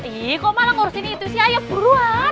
ih kok malah ngurusin itu sih ayo buruan